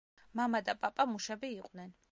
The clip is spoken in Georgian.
მამა და პაპა მუშები იყვნენ.